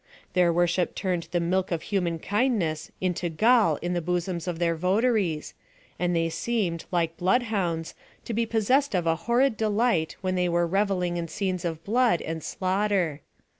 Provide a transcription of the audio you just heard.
Their worship turned the milk of human kindness into gall in the bosoms of their votaries, and they seem ed, like blood hounds, to be possessed of a horrid delight when they were revelling in scenes of blood and slauo^hter.